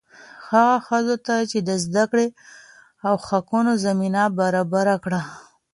هغه ښځو ته د زده کړې او حقونو زمینه برابره کړه.